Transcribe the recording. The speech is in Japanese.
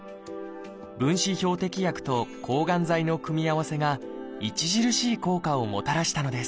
分子標的薬と抗がん剤の組み合わせが著しい効果をもたらしたのです。